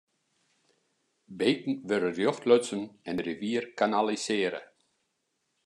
Beken wurde rjocht lutsen en de rivier kanalisearre.